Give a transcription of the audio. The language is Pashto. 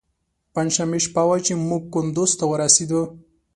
پنجشنبې شپه وه چې موږ کندوز ته ورسېدو.